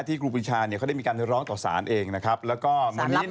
ที่ครูพิชาเนี่ยเขาได้มีการไปร้องต่อศาลเองนะครับแล้วก็ศาลรับไหมฮะ